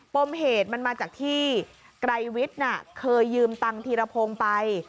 ปมเหตุมันมาจากที่ไกรวิทย์เคยยืมตังค์ธีรพงศ์ไป